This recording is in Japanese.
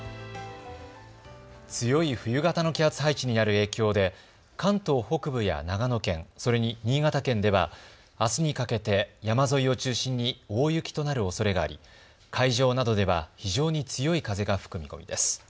強い冬型の気圧配置になる影響で関東北部や長野県、それに新潟県ではあすにかけて山沿いを中心に大雪となるおそれがあり海上などでは非常に強い風が吹く見込みです。